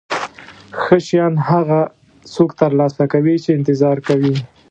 ښه شیان هغه څوک ترلاسه کوي چې انتظار کوي.